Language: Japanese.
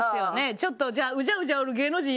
ちょっとじゃあうじゃうじゃおる芸能人やって。